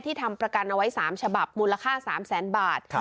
ที่ทำประกันเอาไว้๓ฉบับมูลค่า๓๐๐๐๐๐บาท